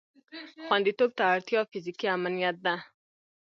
خوندیتوب ته اړتیا فیزیکي امنیت ده.